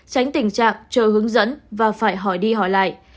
tránh tình trạng chờ hướng dẫn và phải hỏi đi hỏi lại